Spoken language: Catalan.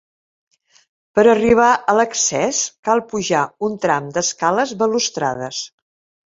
Per arribar a l'accés cal pujar un tram d'escales balustrades.